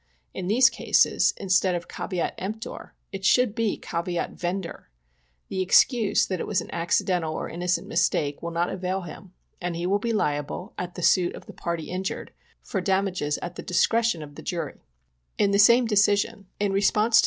In these cases, instead of caveat emptor, it should be caveat vendor. The excuse that it was an acci dental or an innocent mistake will not avail him, and he will be liable, at the suit of the party injured, for damages at the discretion of the Jury,'' In the same decision, in response to POISONING BY CANNED GOODS.